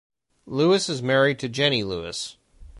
Lewis is married to Jenny Lewis.